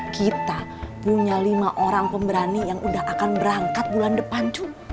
kita punya lima orang pemberani yang udah akan berangkat bulan depan